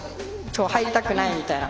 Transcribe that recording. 入りたくないみたいな。